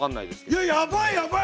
いややばいやばい